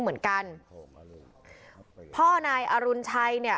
วิทยาลัยศาสตรี